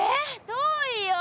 遠いよ。